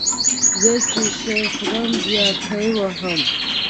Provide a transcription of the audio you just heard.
زه چې شی خورم بیا کای وهم